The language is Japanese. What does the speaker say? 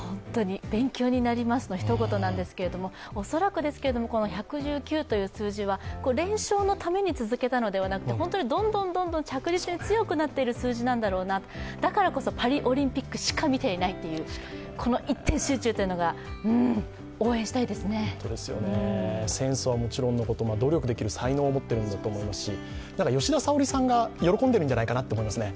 勉強になりますの一言なんですけど、恐らくですけれども、１１９という数字は連勝のために続けたのではなくて本当にどんどん着実に強くなっている数字なんだろうな、だからこそ、パリオリンピックしか見ていないという、この一点集中というのが、センスはもちろんのこと努力できる才能を持っているんだと思いますし吉田沙保里さんが喜んでいるんじゃないかなと思いますね。